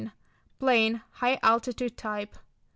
Plain, high altitude type.